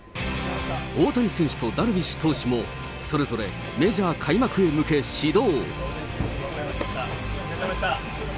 大谷選手とダルビッシュ投手も、それぞれメジャー開幕へ向け始動。